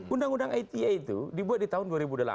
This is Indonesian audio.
undang undang ita itu dibuat di tahun dua ribu delapan